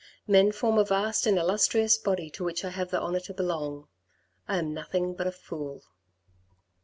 Men form a vast and illustrious body to which I have the honour to belong. I am nothing but a fool."